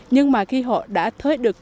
nhưng mà khi họ đã thấy được